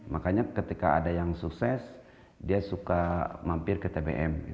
makanya ketika ada yang sukses dia suka mampir ke tbm